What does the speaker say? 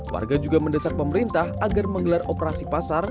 warga juga mendesak pemerintah agar menggelar operasi pasar